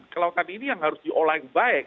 kelautan ini yang harus diolahin baik